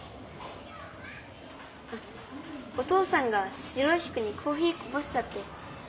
お父さんが白いふくにコーヒーこぼしちゃって。